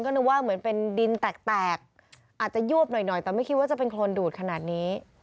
นึกว่าเหมือนเป็นดินแตกอาจจะยวบหน่อยแต่ไม่คิดว่าจะเป็นโครนดูดขนาดนี้